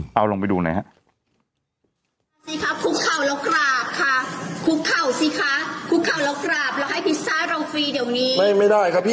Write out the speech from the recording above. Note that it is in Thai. เดี๋ยวนี้อยู่นิ่งนิ่งขอขอขอวิทชาติขึ้นนะครับ